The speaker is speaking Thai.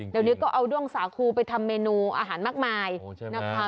เดี๋ยวนี้ก็เอาด้วงสาคูไปทำเมนูอาหารมากมายนะคะ